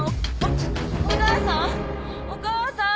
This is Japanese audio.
お母さん！